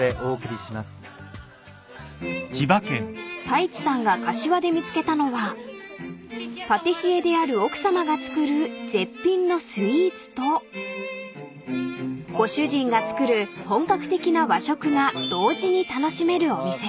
［太一さんが柏で見つけたのはパティシエである奥さまが作る絶品のスイーツとご主人が作る本格的な和食が同時に楽しめるお店］